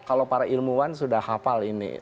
kalau para ilmuwan sudah hafal ini